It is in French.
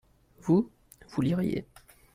vous, vous liriez.